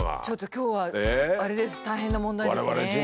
ちょっと今日は大変な問題ですね。